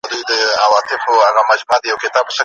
پخپله ورک یمه چي چیري به دي بیا ووینم